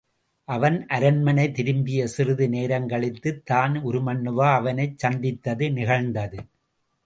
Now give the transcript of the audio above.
அவன் அரண்மனை திரும்பிய சிறிது நேரங்கழித்துத் தான் உருமண்ணுவா அவனைச் சந்தித்தது நிகழ்ந்தது.